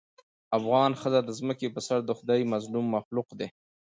افغانه ښځه د ځمکې په سر دخدای مظلوم مخلوق دې